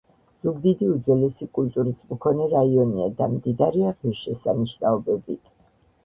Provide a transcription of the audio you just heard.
ზუგდიდი უძველესი კულტურის მქონე რაიონია და მდიდარია ღირსშესანიშნაობებით.